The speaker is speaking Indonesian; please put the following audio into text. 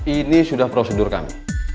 ini sudah prosedur kami